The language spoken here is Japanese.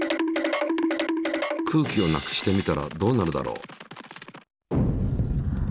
空気を無くしてみたらどうなるだろう？